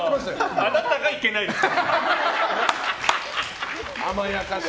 あなたがいけないんですよ。